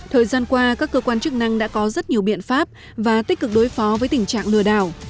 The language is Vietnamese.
thời gian qua các cơ quan chức năng đã có rất nhiều biện pháp và tích cực đối phó với tình trạng lừa đảo